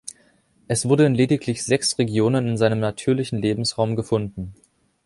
Es wurde in lediglich sechs Regionen in seinem natürlichen Lebensraum gefunden.